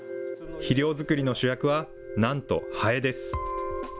肥料作りの主役は、なんとハエです。